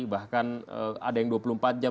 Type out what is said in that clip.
bahkan ada yang dua puluh empat jam